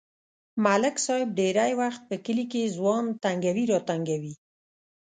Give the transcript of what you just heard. ملک صاحب ډېری وخت په کلي کې ځوان تنگوي راتنگوي.